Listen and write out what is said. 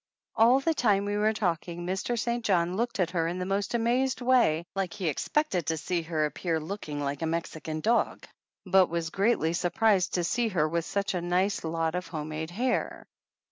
All the time we were talking Mr. St. John looked at her in the most amazed way, like he expected to see her appear looking like a Mex ican dog, but was greatly surprised to see her with such a nice lot of home made hair.